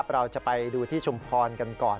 เราจะไปดูที่ชุมพรกันก่อน